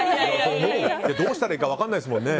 どうしたらいいか分からないですもんね。